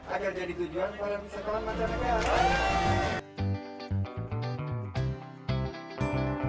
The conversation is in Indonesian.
agar jadi tujuan para pesakawan panjang sakura